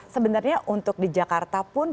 sebenarnya untuk di jakarta pun